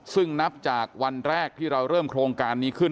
ซึ่งนับจากวันแรกที่เราเริ่มโครงการนี้ขึ้น